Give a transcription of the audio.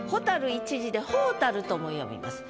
一字で「ほうたる」とも読みます。